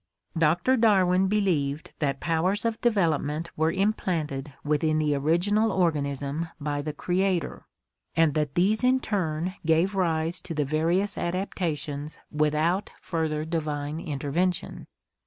Doctor Darwin believed that powers of development were im planted within the original organism by the Creator, and that these in turn gave rise to the various adaptations without further divine intervention.